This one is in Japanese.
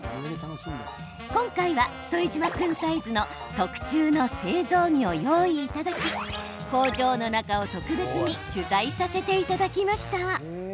今回は、副島君サイズの特注の製造着を用意いただき工場の中を特別に取材させていただきました。